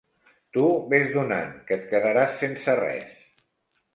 Tu ves donant, que et quedaràs sense res!